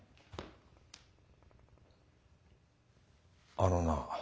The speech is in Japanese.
あのな。